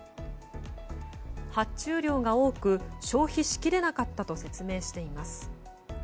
発注量が多く消費しきれなかったと説明しています。